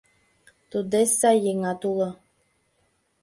Туддеч сай еҥат уло...